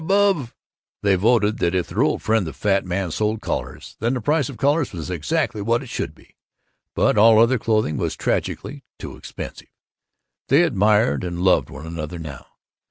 above " They voted that if their old friend the fat man sold collars, then the price of collars was exactly what it should be; but all other clothing was tragically too expensive. They admired and loved one another now.